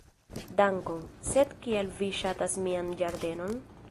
"Dankon. Sed kial vi ŝatas mian ĝardenon?"